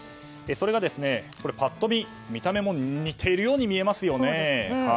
それが、パッと見見た目も似ているように見えますよね。